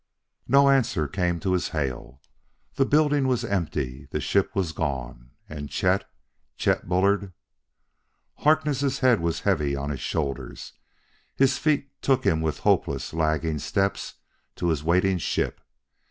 No answer came to his hail. The building was empty; the ship was gone. And Chet! Chet Bullard!... Harkness' head was heavy on his shoulders; his feet took him with hopeless, lagging steps to his waiting ship.